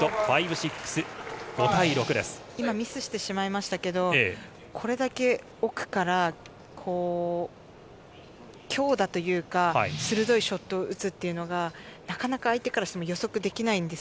今、ミスしましたがこれだけ奥から、強打というか、鋭いショットを打つのはなかなか相手からしても予測できないんです。